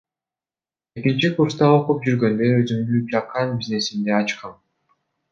Экинчи курсат окуп жүргөндө өзүмдүн чакан бизнесимди ачкам.